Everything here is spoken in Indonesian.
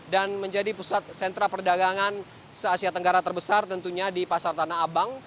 dan menjadi pusat sentra perdagangan asia tenggara terbesar tentunya di pasar tanah abang